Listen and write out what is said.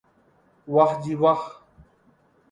واہ جی واہ